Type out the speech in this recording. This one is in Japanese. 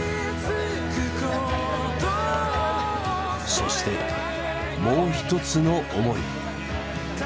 そしてもう一つの思い。